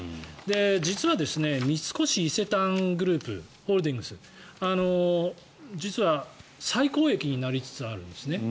実は三越伊勢丹ホールディングス実は最高益になりつつあるんですね。